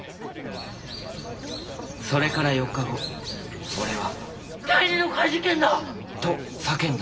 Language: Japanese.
それから４日後おれは第二の怪事件だ！！と叫んだ！！